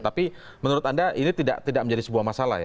tapi menurut anda ini tidak menjadi sebuah masalah ya